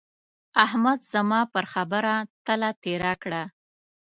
احمد زما پر خبره تله تېره کړه.